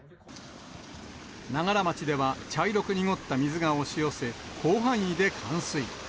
長柄町では茶色く濁った水が押し寄せ、広範囲で冠水。